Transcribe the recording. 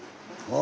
あ。